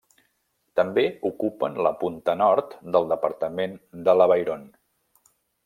També ocupen la punta nord del departament de l'Avairon.